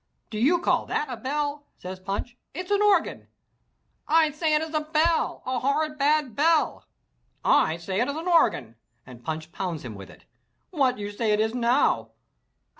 "Do you call that a bell," says Punch, "it's an organ!" "I say it is a bell, a horrid bad bell!" "I say it is an organ!" and Punch pounds him with it. "What you say it is now?"